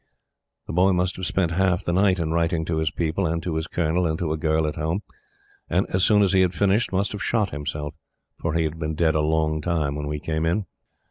The Boy must have spent half the night in writing to his people, and to his Colonel, and to a girl at Home; and as soon as he had finished, must have shot himself, for he had been dead a long time when we came in.